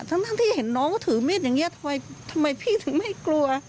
ทั้งทั้งที่เห็นน้องก็ถือมิดอย่างเงี้ยทำไมทำไมพี่ถึงไม่กลัว